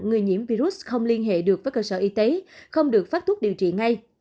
người nhiễm virus không liên hệ được với cơ sở y tế không được phát thuốc điều trị ngay